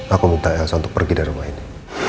aku minta elsa untuk pergi dari rumah ini